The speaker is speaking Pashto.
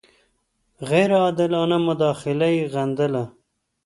غیر عادلانه مداخله یې غندله.